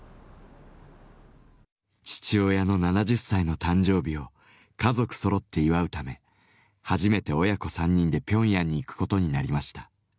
父親の７０歳の誕生日を家族そろって祝うため初めて親子３人でピョンヤンに行くことになりました。